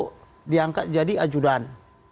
dia terbaik di angkat jadi ajuran